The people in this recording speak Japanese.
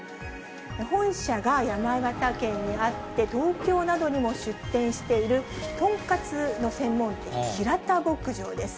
本社が山形県にあって、東京などにも出店している、豚カツの専門店、平田牧場です。